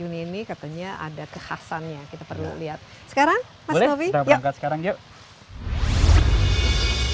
boleh kita berangkat sekarang yuk